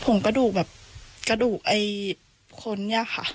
งกระดูกแบบกระดูกไอ้คนเนี่ยค่ะ